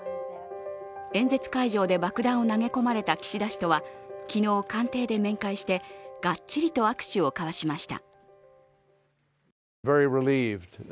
演説会場で爆弾を投げ込まれた岸田氏とは昨日、官邸で面会して、がっちりと握手を交わしました。